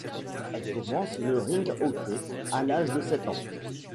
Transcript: Elle commence le rink hockey à l'âge de sept ans.